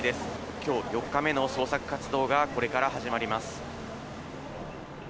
きょう、４日目の捜索活動がこれから始まります。